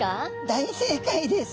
大正解です。